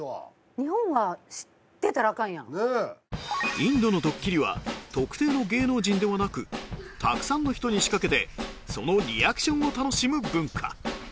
インドのどっきりは特定の芸能人ではなくたくさんの人に仕掛けてそのリアクションを楽しむ文化